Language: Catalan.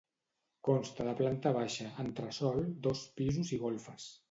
Consta de planta baixa, entresòl, dos pisos i golfes.